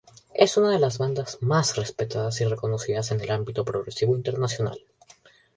Es una de las bandas más respetadas y reconocidas en el ámbito progresivo internacional.